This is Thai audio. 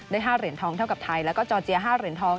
๕เหรียญทองเท่ากับไทยแล้วก็จอร์เจีย๕เหรียญทอง